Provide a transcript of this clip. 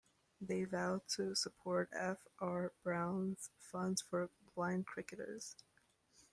They vowed to support F R Brown's Fund for Blind Cricketers.